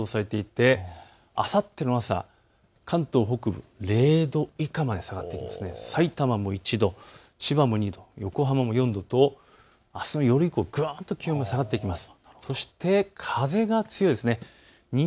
これは東京に限らず関東広い範囲で予想されていてあさっての朝、関東北部０度以下まで下がって、さいたまも１度、千葉も２度、横浜も４度とあすの夜以降ぐんと気温が下がっていきます。